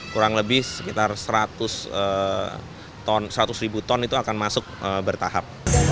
kurang lebih sekitar seratus ribu ton itu akan masuk bertahap